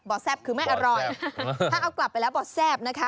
แซ่บคือไม่อร่อยถ้าเอากลับไปแล้วบ่อแซ่บนะคะ